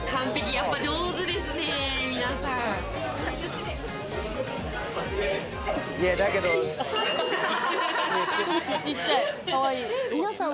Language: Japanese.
やっぱり上手ですね、皆さん。